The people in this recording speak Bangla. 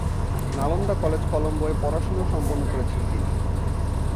নালন্দা কলেজ কলম্বোয় পড়াশুনো সম্পন্ন করেছেন তিনি।